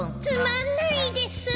つまんないです